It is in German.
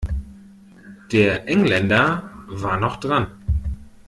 Der Engländer war noch dran.